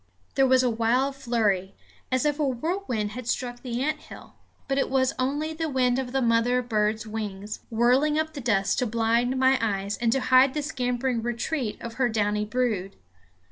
There was a wild flurry, as if a whirlwind had struck the ant hill; but it was only the wind of the mother bird's wings, whirling up the dust to blind my eyes and to hide the scampering retreat of her downy brood.